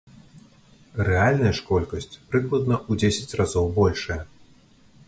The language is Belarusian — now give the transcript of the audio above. Рэальная ж колькасць прыкладна ў дзесяць разоў большая.